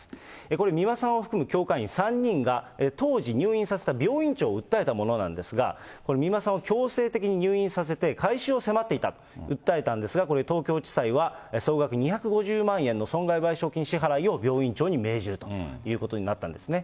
これ、美馬さんを含む教会員３人が、当時入院させた病院長を訴えたものなんですが、これ、美馬さんを強制的に入院させて、改宗を迫っていたと訴えたんですが、これ東京地裁は、総額２５０万円の損害賠償金支払いを病院長に命じるということになったんですね。